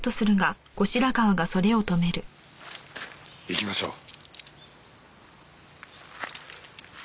行きましょう。